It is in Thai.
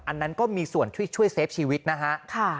อันนั้นก็มีส่วนช่วยเซฟชีวิตนะฮะ